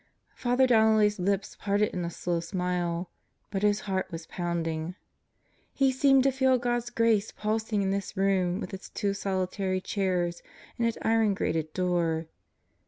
Father Donnelly's lips parted in a slow smile, but his heart was pounding. He seemed to feel God's grace pulsing in this room with its two solitary chairs and its iron grated door.